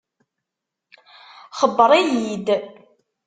Xebbeṛ-iyi-d.